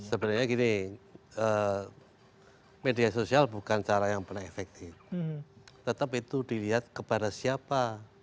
sebenarnya gini media sosial bukan cara yang pernah efektif tetap itu dilihat kepada siapa